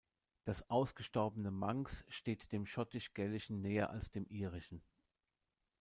Das ausgestorbene Manx steht dem Schottisch-Gälischen näher als dem Irischen.